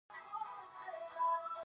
په لرګي کار کول هنر دی.